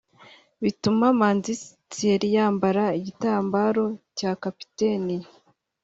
bituma Manzi Thierry yambara igitambaro cya kapiteni